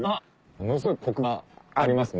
ものすごいコクがありますね。